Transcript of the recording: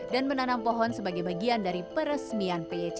dan menanam pohon sebagai bagian dari peresmian pych